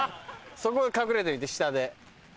そこで隠れてみて下で。